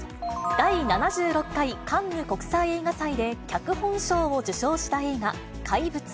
第７６回カンヌ国際映画祭で脚本賞を受賞した映画、怪物。